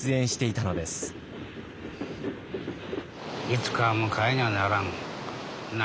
いつかは迎えにゃならん。